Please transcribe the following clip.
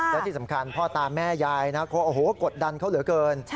และที่สำคัญพ่อตาแม่ยายนะเขาโอ้โหกดดันเขาเหลือเกิน